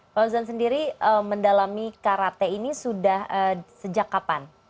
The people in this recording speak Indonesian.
fauzan sendiri mendalami karate ini sudah sejak kapan